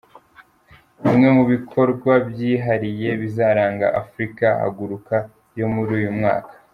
Bimwe mu bikorwa byihariye bizaranga Afrika Haguruka yo muri uyu mwaka.